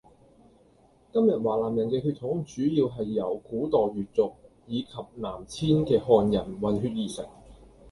今日華南人嘅血統主要係由古代越族以及南遷嘅漢人混血而成